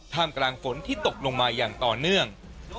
กลางฝนที่ตกลงมาอย่างต่อเนื่อง